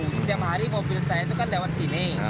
setiap hari mobil saya itu kan lewat sini